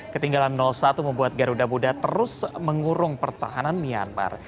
ketinggalan satu membuat garuda muda terus mengurung pertahanan myanmar